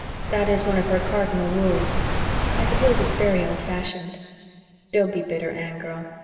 That is one of her cardinal rules. I suppose it's very old fashioned." "Don't be bitter, Anne girl.